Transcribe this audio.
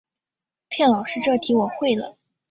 骗老师这题我会了